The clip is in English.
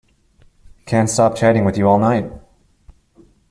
Can't stop chatting with you all night.